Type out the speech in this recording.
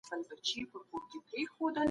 مغزي خواړه او تخمونه.